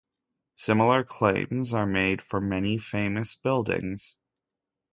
Similar claims are made for many famous buildings.